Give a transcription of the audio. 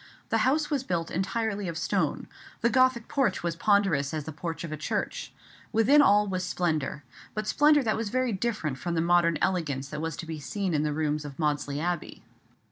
The house was built entirely of stone; the Gothic porch was ponderous as the porch of a church. Within all was splendour; but splendour that was very different from the modern elegance that was to be seen in the rooms of Maudesley Abbey.